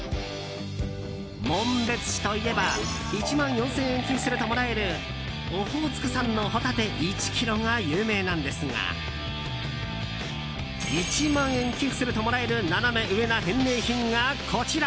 紋別市といえば１万４０００円寄付するともらえるオホーツク産のホタテ１ｋｇが有名なんですが１万円寄付するともらえるナナメ上な返礼品がこちら。